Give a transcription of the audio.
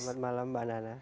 selamat malam mbak nana